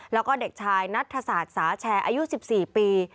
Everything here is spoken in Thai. แล้วก็เด็กชายนัทศาสตร์สาแชร์อายุ๑๔ปี